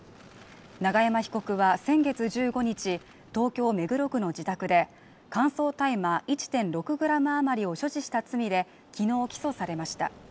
永山被告は先月１５日、東京目黒区の自宅で乾燥大麻１．６ｇあまりを所持した罪で昨日起訴されました。